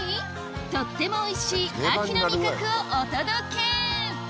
とってもおいしい秋の味覚をお届け